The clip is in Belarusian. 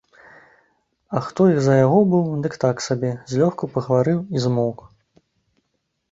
А хто і за яго быў, дык так сабе, злёгку пагаварыў і змоўк.